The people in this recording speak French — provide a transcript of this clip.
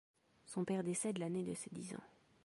Son père décède l’année de ses dix ans.